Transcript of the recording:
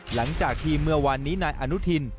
หลังจากที่เมื่อวานนี้นายอนุทิน